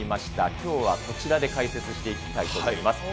きょうはこちらで解説していきたいと思います。